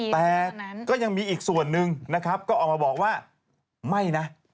แต่ก็ยังมีอีกส่วนหนึ่งนะครับก็ออกมาบอกว่าไม่นะ